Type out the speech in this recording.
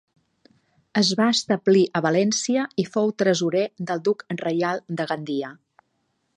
Es va establir a València i fou tresorer del duc reial de Gandia.